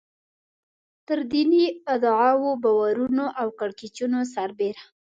تر دیني ادعاوو، باورونو او کړکېچونو سربېره.